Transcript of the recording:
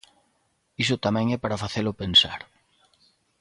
Iso tamén é para facelo pensar.